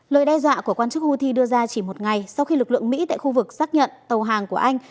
lời đe dọa của quan chức houthi đưa ra chỉ một ngày sau khi lực lượng mỹ tại khu vực xác nhận tàu hàng của anh